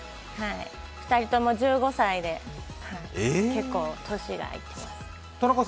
２人とも１５歳で結構年がいってます。